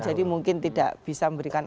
jadi mungkin tidak bisa memberikan